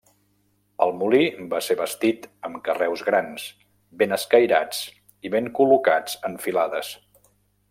El molí va ser bastit amb carreus grans, ben escairats i ben col·locats en filades.